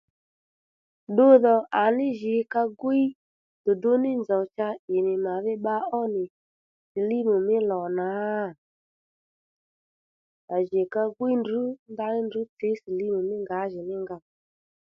Dudhò à ní jǐ ka gwíy dùdú ní nzòw cha ì nì màdhí bba ó nì silimu mí lò na à jì ka gwí ndrǔ ndaní ndrǔ tsǐ silimu mí ngǎjìní nga